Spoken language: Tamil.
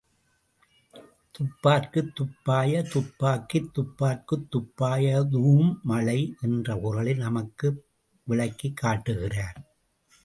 துப்பார்க்குத் துப்பாய துப்பாக்கித் துப்பார்க்குத் துப்பா யதூஉம் மழை, —என்ற குறளில் நமக்கு விளக்கிக் காட்டுகிறார்.